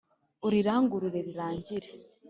urirangurure rirangire